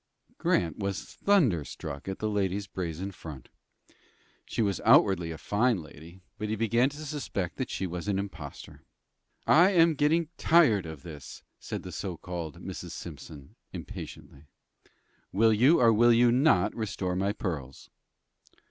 Grant was thunderstruck at the lady's brazen front. She was outwardly a fine lady, but he began to suspect that she was an impostor. "I am getting tired of this," said the so called Mrs. Simpson, impatiently. "Will you, or will you not, restore my pearls?"